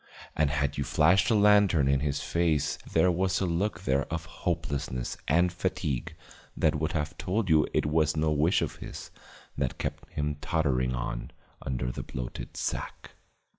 And had you flashed a lantern in his face there was a look there of hopelessness and fatigue that would have told you it was no wish of his that kept him tottering on under that bloated sack.